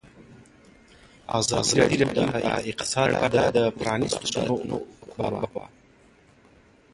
ازادي راډیو د اقتصاد په اړه د پرانیستو بحثونو کوربه وه.